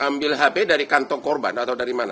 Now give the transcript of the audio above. ambil hp dari kantong korban atau dari mana